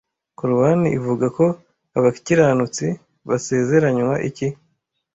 Korowani ivuga ko abakiranutsi basezeranywa iki